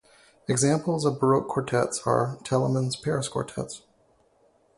Examples of baroque quartets are Telemann's Paris quartets.